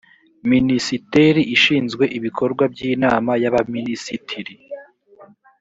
minisiteri ishinzwe ibikorwa by inama y abaminisitiri